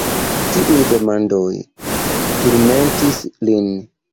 Tiuj demandoj turmentis lin.